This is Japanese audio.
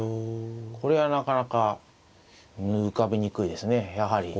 これはなかなか浮かびにくいですねやはり。